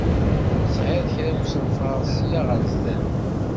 Tesεiḍ kra usenfaṛ ssya ɣer zzat?